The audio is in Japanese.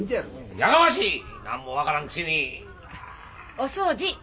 お掃除！